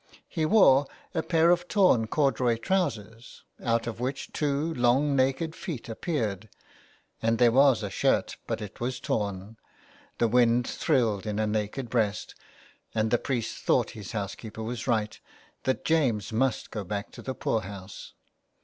He wore a pair of torn corduroy trousers out of which two long naked feet appeared ; and there was a shirt, but it was torn, the wind thrilled in a naked breast, and the priest thought his housekeeper was right, that James must go back to the poor house.